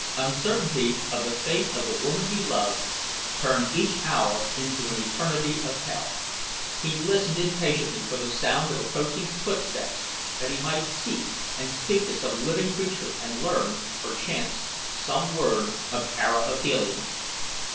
Uncertainty of the fate of the woman he loved turned each hour into an eternity of hell. He listened impatiently for the sound of approaching footsteps that he might see and speak to some living creature and learn, perchance, some word of Tara of Helium.